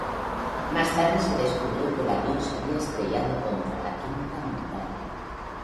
Más tarde se descubrió que el avión se había estrellado contra la quinta montaña.